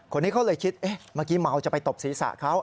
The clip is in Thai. คนนี้เขาเลยคิดเอ๊ะเมื่อกี้เมาจะไปตบศีรษะเขา